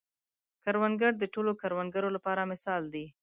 کروندګر د ټولو کروندګرو لپاره مثال دی